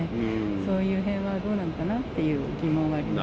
そういうへんはどうなのかなっていう疑問はあります。